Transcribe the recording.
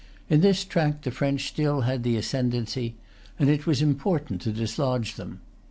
In this tract the French still had the ascendency; and it was important to dislodge them.